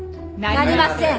なりません。